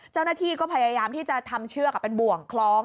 เจ้าหน้าที่ก็พยายามที่จะทำเชือกเป็นบ่วงคล้อง